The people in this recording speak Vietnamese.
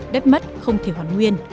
đất mất không thể hoàn nguyên